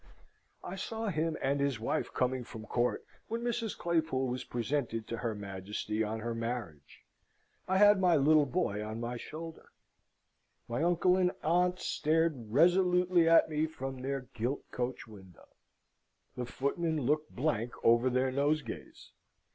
I saw him and his wife coming from court, when Mrs. Claypool was presented to her Majesty on her marriage. I had my little boy on my shoulder. My uncle and aunt stared resolutely at me from their gilt coach window. The footmen looked blank over their nosegays.